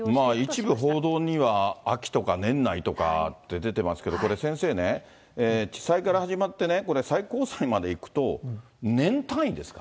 一部報道には、秋とか年内とかって出てますけど、これ先生ね、地裁から始まってね、これ、最高裁まで行くと、年単位ですか。